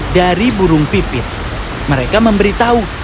dari burung pipit mereka memberitahu